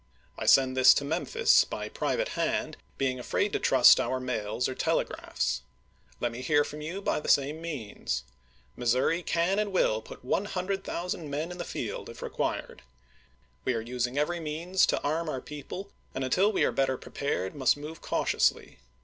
I send this to Memphis by private hand, being afraid to trust our mails or telegraphs. Let me hear from you by the same means. Missouri can and will put 100,000 men in the field if required. We are using every means to arm our people, and until we are better prepared must move cautiously.